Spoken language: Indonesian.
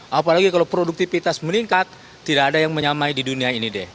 apalagi kalau produktivitas meningkat tidak ada yang menyamai di dunia ini deh